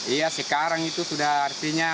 iya sekarang itu sudah artinya